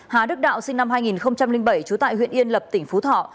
hà đức đạo sinh năm hai nghìn bảy trú tại huyện yên lập tỉnh phú thọ